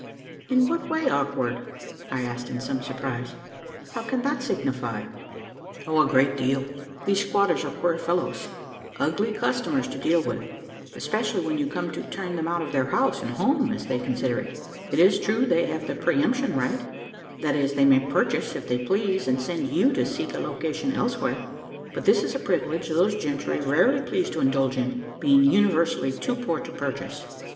"In what way awkward?" I asked in some surprise. "How can that signify?" "A great deal. These squatters are queer fellows ugly customers to deal with especially when you come to turn them out of their house and home, as they consider it. It is true, they have the pre emption right that is, they may purchase, if they please, and send you to seek a location elsewhere; but this is a privilege those gentry rarely please to indulge in being universally too poor to purchase."